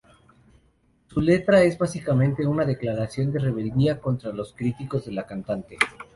Su letra es básicamente una declaración de rebeldía contra los críticos de la cantante.